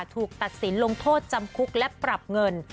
ถูกตัดสินลงโทษจำคุกและปรับเงิน